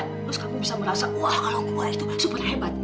terus kamu bisa merasa wah kalau keluar itu kan super hebat